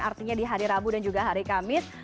artinya di hari rabu dan juga hari kamis